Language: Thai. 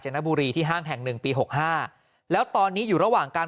นบุรีที่ห้างแห่งหนึ่งปีหกห้าแล้วตอนนี้อยู่ระหว่างการ